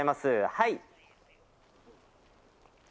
はい。